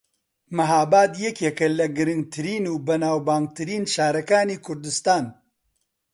مەھاباد یەکێکە لە گرنگترین و بەناوبانگترین شارەکانی کوردستان